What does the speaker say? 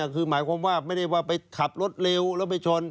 คือหมายความว่าไม่ได้ว่าไปขับรถเร็วแล้วไปชน